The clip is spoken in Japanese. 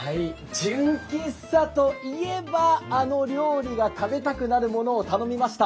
純喫茶といえばあの料理が食べたくなるものを頼みました。